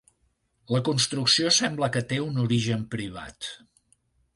La construcció sembla que té un origen privat.